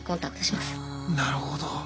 なるほど。